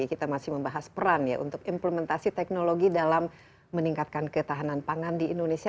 kita masih membahas peran ya untuk implementasi teknologi dalam meningkatkan ketahanan pangan di indonesia